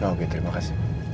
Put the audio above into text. oke terima kasih